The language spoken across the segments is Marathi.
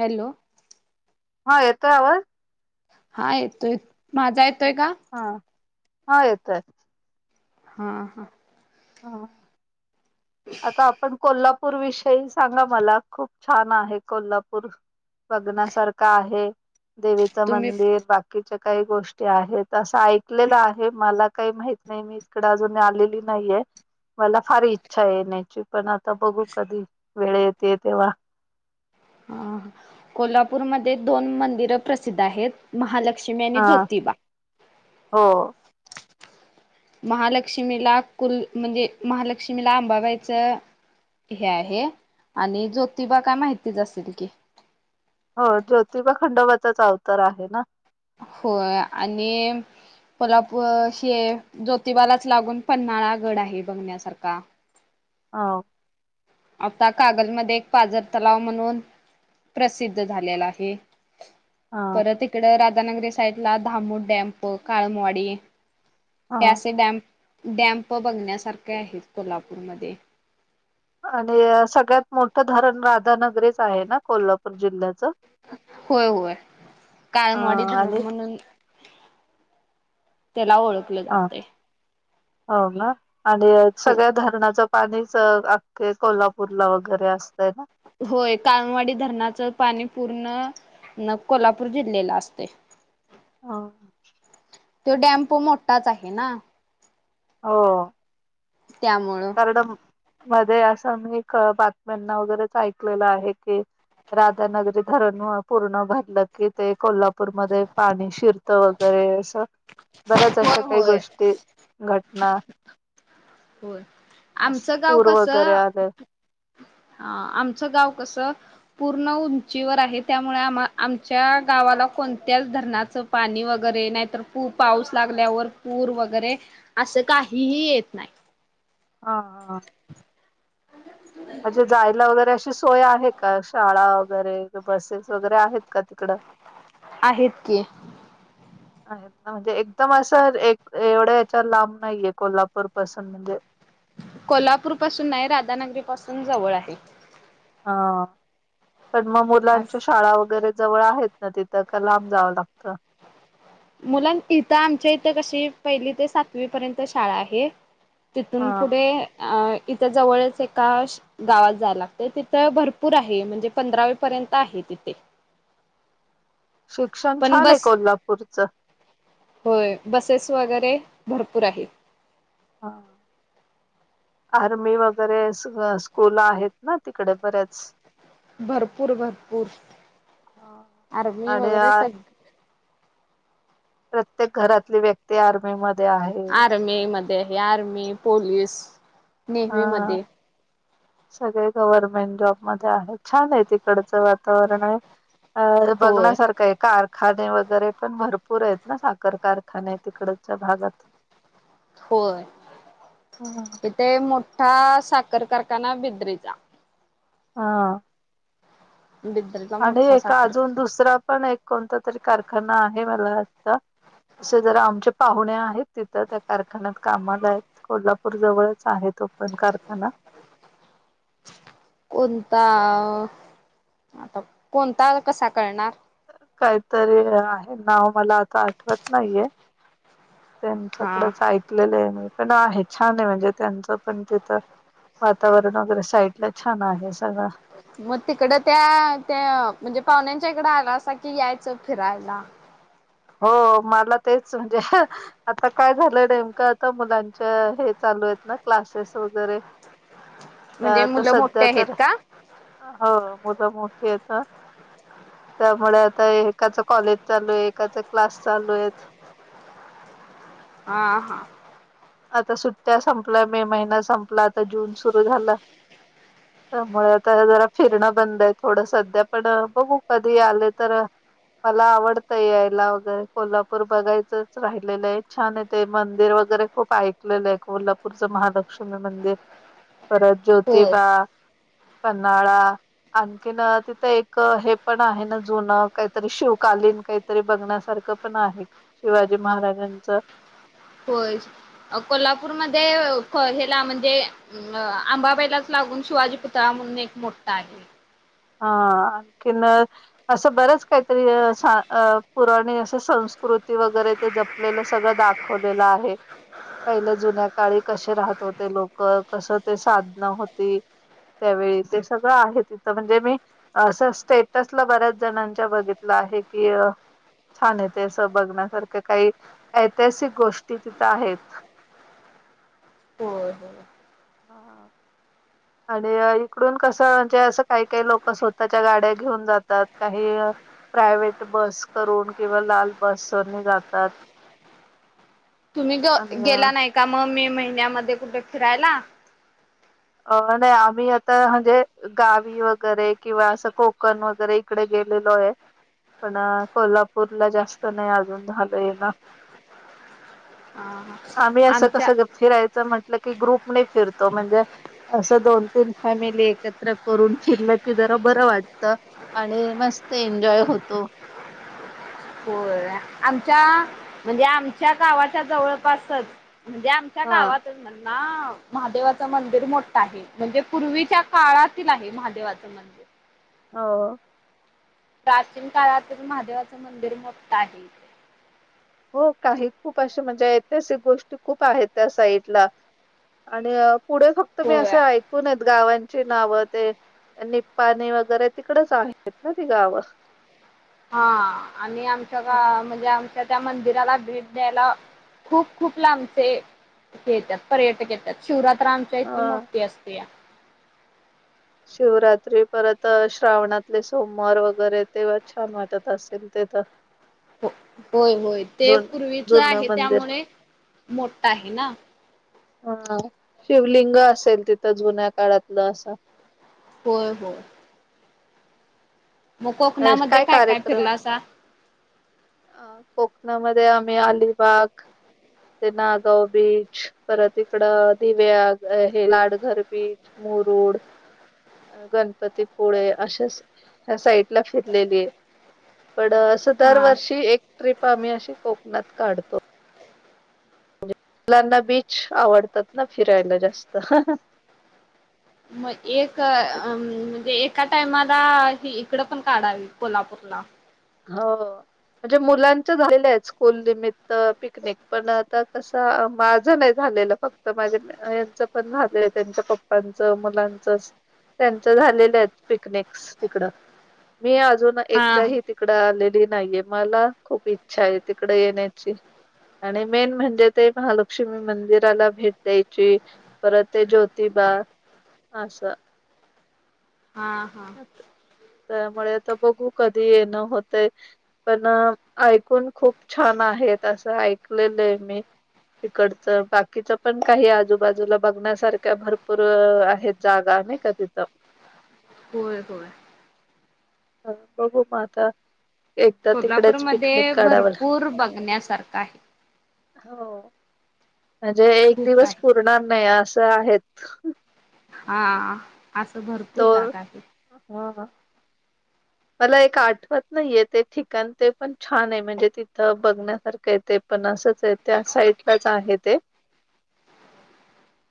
हॅलो हा येतोय आवाज. हा येतोय माझा येतोय का? हा हा येतय. हा हा. हा. आता आपण कोल्हापूर विषयी सांगा मला खूप छान आहे कोल्हापूर बघण्यासारखं आहे देवीच तुम्ही मंदिर बाकीच्या काही गोष्टी आहेत असं ऐकलेलं आहे मला काही माहित नाही मी इकडे अजून आलेली नाहीय. मला फार इच्छा आहे येण्याची पण आता बघू कधी वेळ येते तेव्हा हा कोल्हापूरमध्येध दोन मंदिर प्रसिद्ध आहेत महालक्ष्मी लक्ष्मी आणि हा ज्योतिबा हो महालक्ष्मीला कुल म्हणजे महालक्ष्मीला आंबाबाईच. हे आहे आणि जोतिबा काय माहितीच असेल की हो जोतिबा खंडोबाचाच अवतार आहे ना. होय आणि पलापूर हे जोतिबालाच लागून पन्हाळा गड आहे बघण्यासारखा [unintelligible] हो. आता कागलमध्ये एक पाजर तलाव म्हणून प्रसिद्ध झालेला आहे. हा परत इकड राधानगरी साईट ला धामू डॅम्प काळमवाडी हा त्या असे डॅम्प डॅम्प बघण्यासारखे आहेत कोल्हापूरमध्ये आणि सगळ्यात मोठं धरण राधानगरीच आहे ना कोल्हापूर जिल्ह्याचं होय होय अ काळमवाडी आणि धरण म्हणून त्याला ओळखलं ह जातय. हो ना आणि सगळ्या धरणाचा पाणीच अख्खे कोल्हापूरला वगैरे अस. होय काळमवाडी धरणाचं पाणी पूर्ण न कोल्हापूर जिल्ह्याला असतय. ह. तो डॅम्प मोठाच आहे ना. हो. त्यामुळं कारण मध्ये असं मी बातम्यांना वगैरेच ऐकलेलं आहे की राधानगरी धरण पूर्ण भरलं की ते कोल्हापूरमध्ये पाणी शिरतं वगैरे अस बऱ्याच अशा होय काही होय गोष्टी घटना होय अस आमचं गाव पूर कस. वगैरे आले ह आमचं गाव कसं पूर्ण उंचीवर आहे त्यामुळे आम्हा आमच्या गावाला कोणत्याच धरणाचं पाणी वगैरे नाहीर पाऊस लागल्यावर पूर वगैरे असं काहीही येत नाही. हा हा हा. म्हणजे जायला वगैरे अस. ची सोय आहे का शाळा वगैरे बसेस वगैरे आहेत का तिकड. आहेत की आहेत म्हणजे एकदम असं एक एवढ्या ह्याच्या लांब नाहीये कोल्हापूर पासून म्हणजे कोल्हापूर पासून नाही राधानगरी पासून जवळ आहे. हा पण मग अस मुलांच्या शाळा वगैरे जवळ आहेत ना तिथं का लांब जावं लागत. मुलां इथं आमच्या इथं कशी पहिली ते सातवी पर्यंत शाळा आहे. तिथून हा पुढे इथं जवळच एका गावात जायला लागतय तिथं भरपूर आहे म्हणजे पंधरावी पर्यंत आहे तिथे. [unintelligible] शिक्षण पण छान आहे बस कोल्हापूरचं. होय बसेस वगैरे ते भरपूर आहे. हा. आर्मी वगैरे सगळ्या स्कूल आहेत ना तिकडे बर्‍या भरपूर भरपूर आर्मी आणि वगैरे सग प्रत्येक घरातली व्यक्ती आर्मीमधे आहे. आर्मी मध्ये आर्मी पोलीस नेव्ही हा मधे सगळे गव्हर्मेंट जॉबमधे आहे छान आहे तिकडचं वातावरणय अ होय. बघण्यासारखंय का? खाणे वगैरे पण भरपूर आहेत ना साखर कारखाने तिकडच्या भागात होय ह तिथे मोठ मोठा साखर कारखाना बिद्रीचा हा. बिद्रीला आणि मोठा एक साखर अजून दुसरा पण एक कोणता तरी कारखाना आहे मला वाटतं. असे जरा आमचे पाहुणे आहेत तिथं त्या कारखान्यात कामाला आहेत कोल्हापूर जवळच आहेत. तो पण कारखाना [unintelligible] कोणता आता कोणता कसा कळणार? काहीतरी आहे नाव मला आता आठवत नाहीये. हा त्यांच्याकडच ऐकलेलंय मी पण आहे छान आहे म्हणजे त्यांचं पण तिथं वातावरण वगैरे साईड ला छान आहे सगळं मग तिकडं त्या त्या म्हणजे पाहुण्यांच्या इकडं आला असा कि यायचं फिरायला हो मला तेच म्हणजे आता काय झालं नेमकं आता मुलांच्या हे चालु चालू आहेत ना क्लासेस वगैरे म्हणजे आता मुलं मोठे सध्या आहेत तर का? हो मुलं मोठी आहेता त्यामुळे आता एकाच कॉलेज चालू आहे एकाचा क्लास चालूयत हा हा. आता सुट्ट्या संपल्या मे महिना संपला आता जून सुरू झाला. त्यामुळे ता जरा फिरणं बंद आहे थोडं सध्या पण बघू कधी आले तर मला आवडतय यायला वगैरे कोल्हापूर बघायचंच राहिलेलं आहे छानचय ते मंदिर व वगैरे खूप ऐकलेलं आहे कोल्हापूरचं महालक्ष्मी मंदिर परत होय. ज्योतिबा पन्हाळा आणखीन तिथे एक हे पण आहे ना जुन काहीतरी शिवकालीन? काहीतरी बघण्यासारखं पण आहे शिवाजी महाराजांचं? होय कोल्हापूरमधे हेला म्हणजे आंबाबाईलाच ला गुन शिवाजी पुतळा म्हणून एक मोठा आहे. ह आणखीन असं बरेच काहीतरी अस पुराणी असं संस्कृ कृती वगैरे ते जपलेलं सगळं दाखवलेलं आहे. पहिले जुन्या काळी कसे राहत होते लोक कसं ते साधनं होती. त्यावेळी ते सगळं आहे तिथं म्हणजे मी असं स्टेटसला बऱ्याच जणांच्या बघितलं आहे की छान आहे ते असं बघण्यासारख्या काही ऐतिहासिक गोष्टी तिथं आहे होय होय. [inaudible] आणि इकडून कसं म्हणजे असं काही काही ही लोक स्वतःच्या गाड्या घेऊन जातात. काही प्रायव्हेट बस करून किंवा लाल बसने जातात. [inaudible] तुम्ही आणि अ गेला नाही का, मग मे महिन्यामध्ये कुठे फिरायला? अ नाही आम्ही आता म्हणजे गावी वगैरे किंवा असं कोकण वगैरे इकडे गे आहे पण कोल्हापूर ला जास्त नाही अजून झालंय ना हम आम्ही असं कसं फिरायचं म्हंटलं की ग्रुपने फिरतो म्हणजे असं दोन तीन फॅमिली एकत्र करून फिरलं फि बरं वाटत आणि मस्त एन्जॉय होतो होय आमच्या म्हणजे आमच्या गावाच्या जवळपासच म्हणजे आमच्या हा गावातच म्हण ना महादेवाचं मंदिर मोठ आहे म्हणजे पूर्वीच्या काळातील आहे महादेवाचं मंदिर हो प्राचीन काळातच महादेवाचं मंदिर मोठआहे इथे हो काही खूप अशे म्हणजे ऐतिहासिक गोष्टी खूप आहेत त्या साईडला आणि पुढे फक्त मी होय असं ऐकून गावां ची नाव ते निपाणी वगैरे तिकडच आहेत ना ती गावं हा आणि आमच्या का म्हणजे आम त्या त्या मंदिराला भेट द्यायला खूप खूप लांबचे येतात पर्यटक येतात शिवरात्र आमच्या इथली हा मोठी असते या शिवरात्री परत श्रावणातले सोमवार वगैरे तेव्हा छान वाटत असेल ते ता होय होय ते पूर्वीच जुनं आहे मंदिर त्यामुळे मोठा आहे ना हा शिवलिंग असेल तिथं जुन्या काळातलं असं होय होय मग अ कोकणामध्ये काय कार्यक्रम फिरलासा? अ कोक मध्येध्ये आम्ही अलिबाग ते नागाव बीच परत इकड दिव्या हे लाडघर बीच मुरूड गणपतीपुळे अश सा फिरलेली पण अस दर हा. वर्षी एक ट्रिप आम्ही अशी कोकणात काढतो मुलांना बीच आवडतात ना फिरायला जास्त मग एक म्हणजे एका टाइमाला इकड पण काढावी कोल्हापूरला हो म्हणजे मुलांच्या झालेल्या आहेत स्कूल निमित्त पिकनिक पण आता कसं माझं नाही झा झालं फक्त माझ्या यांच पण झाले त्यांच्या पप्पांच मुलांच त्यांच झालेलं आहेत पिकनिक तिकड मी अजून हा. एकदा ह आलेली नाहीये मला खूप इच्छा आहे तिकडे येण्याची आणि मेन म्हणजे ते महालक्ष्मी मंदिराला भेट द्यायची परत ते ज्योतीि बा अस हां हां त्यामुळे तर बघू कधी येणं होतं पण ऐकून खूप छान आहे असं ऐकलेलं आहे मी इकडचं बाकीच पण काही आजूबाजूला बघण्यासारख्या भरपूर आहेत जागा कधित ह होय होय. ह बघु म आता. एकदा तिकडेच पिकनिक कोल्हापूरमध्ये काढाव भरपूर बघण्यासारखा आहे. हो. म्हणजे एक खूप दिवस आहे. पुरणार नाही असं आहेत. हा असं भरपूर दोन जागा आहे. ह. [inaudible] मला एक आठवत नाहीय ते ठिकाण ते पण छान आहे. म्हणजे तिथं बघण्यासारखं आहे. ते पण असंच आहे, त्या साईटलाच आहे ते.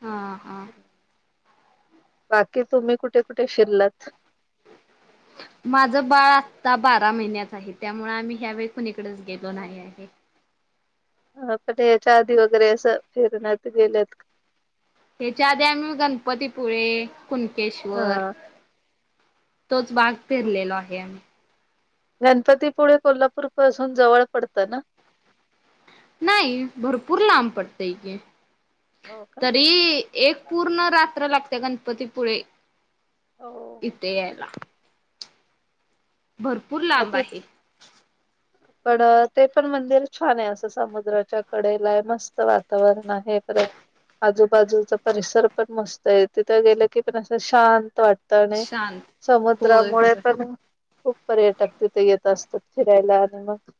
हा हा बाकी तुम्ही कुठे कुठे फिरलात? माझं बाळ आत्ता बारा महिन्याच आहे, त्यामुळे आम्ही ह्यावेळी कोणीकडेच गेलो नाही आहे. आपण याच्या आधी वगैरे असं फिरण्यात गेलेत का? हच्या आधी आम्ही गणपतीपुळे, कुणकेश्वर का? अ, तोच बाग फिरलेलो आहे आम्ही. गणपतीपुळे, कोल्हापूर पासून जवळ पडतं ना? नाही, भरपूर लांब पडतय की. हो का? तरी एक पूर्ण रात्र लागते. गणपतीपुळे हो. इथ यायला. भरपूर मग लांब ते आहे. पण ते पण मंदिर छान आहे. असं समुद्राच्या कडेला आहे. मस्त वातावरण आहे. परत, आजूबाजूचा परिसर पण मस्त आहे. तिथं गेलं की पण असं शांत वाटत. आणि शांत होय समुद्रामुळे होय पण खूप पर्यटक तिथे येत असतात फिरायला. आणि मग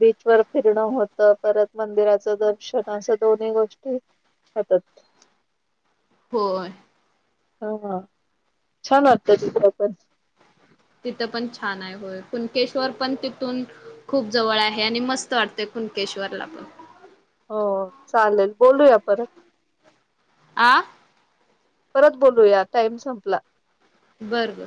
बीचवर फिरणं होतं, परत मंदिराचं दर्शन अस दोन्ही गोष्टी होतात. होय. ह ह छान वाटत तिथ पण. तिथं पण छान आहे. होय. कुणकेश्वर पण तिथून खूप जवळ आहे. आणि मस्त वाटतय. कुणकेश्वरला पण हो चालेल बोलूया परत. आ परत बोलूया, टाईम संपला. बर बर.